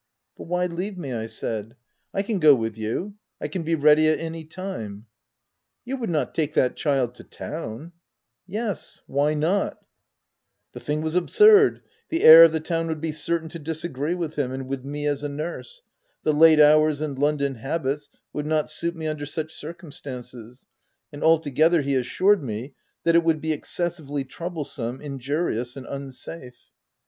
"But why leave me?' ' I said. "1 can go with you : I can be ready at any time." " You would not take that child to town V u Yes — why not V 3 The thing was absurd : the air of the town would be certain to disagree with him, and with me as a nurse : the late hours and London habits would not suit me under such circum stances ; and altogether he assured me that it would be excessively troublesome, injurious, and unsafe.